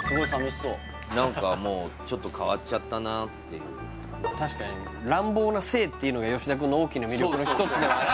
すごい寂しそう何かもうちょっと変わっちゃったなっていう確かに乱暴な性っていうのが吉田くんの大きな魅力の一つではありましたね